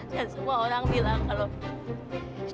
dan semua orang bilang kalau